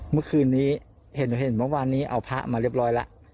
เมื่อคืนนี้เห็นเมื่อวานนี้เอาพระมาเรียบร้อยแล้ว